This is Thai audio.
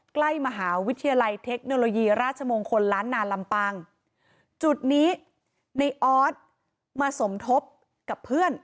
ใกล้มหาวิทยาลัยเทคโนโลยีราชมงคลล้านนาลำปางจุดนี้ในออสมาสมทบกับเพื่อน